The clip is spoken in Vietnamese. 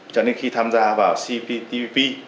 cho nên khi tham gia vào cptpp